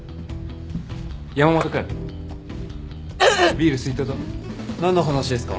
ビール好いとうと？何の話ですか？